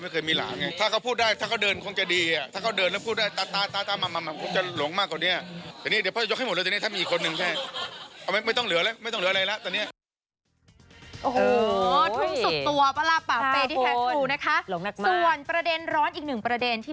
เขาเป็นหลานคนแรกเนี่ยเราไม่เคยมีหลานไง